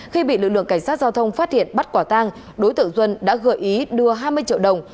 khi bị lực lượng cảnh sát giao thông phát hiện bắt quả tang đối tượng duân đã gợi ý đưa hai mươi triệu đồng